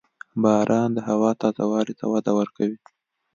• باران د هوا تازه والي ته وده ورکوي.